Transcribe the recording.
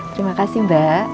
terima kasih mbak